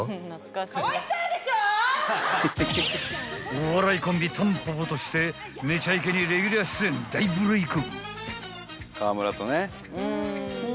［お笑いコンビたんぽぽとして『めちゃイケ』にレギュラー出演大ブレイク］